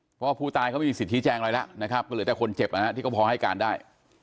เพราะว่าผู้ตายเขาไม่มีสิทธิแจงอะไรแล้วนะครับก็เหลือแต่คนเจ็บนะฮะที่ก็พอให้การได้